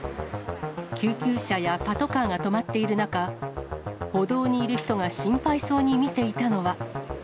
救急車やパトカーが止まっている中、歩道にいる人が心配そうに見ていたのは。